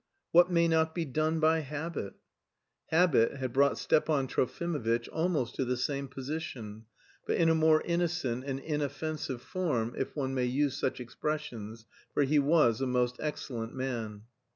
What may not be done by habit? Habit had brought Stepan Trofimovitch almost to the same position, but in a more innocent and inoffensive form, if one may use such expressions, for he was a most excellent man.